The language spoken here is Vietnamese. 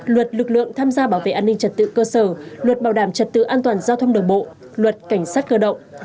luật lực lượng tham gia bảo vệ an ninh trật tự cơ sở luật bảo đảm trật tự an toàn giao thông đường bộ luật cảnh sát cơ động